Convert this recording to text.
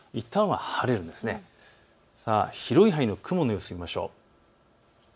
広い範囲で雲の様子を見ましょう。